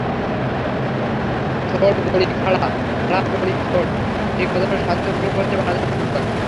থোড় বড়ি খাড়া, খাড়া বড়ি থোড়—এই কথাটার সার্থক রূপ হচ্ছে বাংলাদেশের ফুটবল।